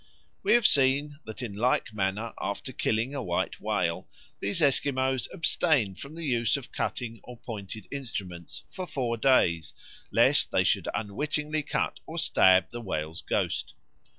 We have seen that in like manner after killing a white whale these Esquimaux abstain from the use of cutting or pointed instruments for four days, lest they should unwittingly cut or stab the whale's ghost.